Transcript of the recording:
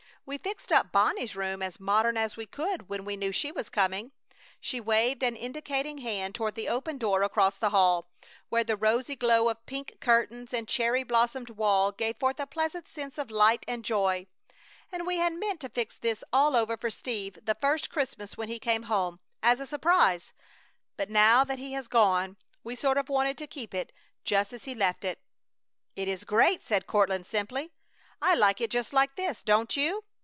"We fixed up Bonnie's room as modern as we could when we knew she was coming" she waved an indicating hand toward the open door across the hall, where the rosy glow of pink curtains and cherry blossomed wall gave forth a pleasant sense of light and joy "and we had meant to fix this all over for Steve the first Christmas when he came home, as a surprise; but now that he has gone we sort of wanted to keep it just as he left it." "It is great!" said Courtland, simply. "I like it just like this. Don't you?